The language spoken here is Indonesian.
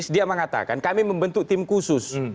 dia mengatakan kami membentuk tim khusus